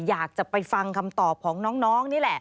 อยากจะไปฟังคำตอบของน้องนี่แหละ